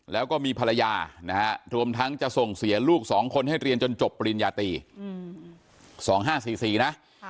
แล้วก็มีภรรยานะฮะรวมทั้งจะส่งเสียลูก๒คนให้เรียนจนจบปริญญาตี๒๕๔๔นะ